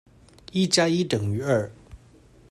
一加一等於二。